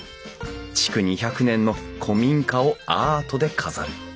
築２００年の古民家をアートで飾る。